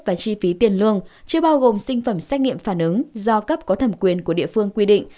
và chi phí tiền lương chưa bao gồm sinh phẩm xét nghiệm phản ứng do cấp có thẩm quyền của địa phương quy định